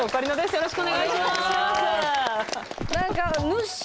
よろしくお願いします。